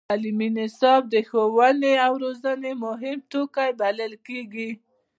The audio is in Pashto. تعلیمي نصاب د ښوونې او روزنې مهم توکی بلل کېږي.